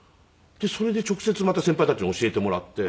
それで直接また先輩たちに教えてもらって。